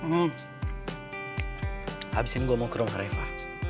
habis ini gue mau ke rumah reva